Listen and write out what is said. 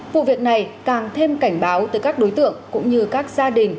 vụ việc này càng thêm cảnh báo tới các đối tượng cũng như các gia đình